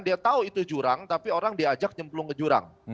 dia tahu itu jurang tapi orang diajak nyemplung ke jurang